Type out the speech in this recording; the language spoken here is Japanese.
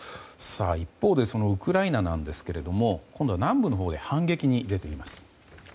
一方で、ウクライナですが今度は南部のほうで反撃に出ています。